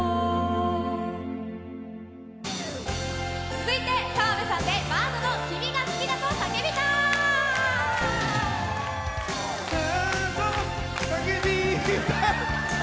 続いて澤部さんでＢＡＡＤの「君が好きだと叫びたい」！